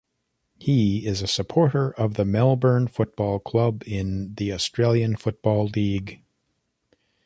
He is a supporter of the Melbourne Football Club in the Australian Football League.